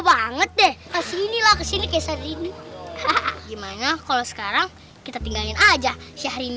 banget deh kasih inilah kesini kecariin gimana kalau sekarang kita tinggalin aja si hari ini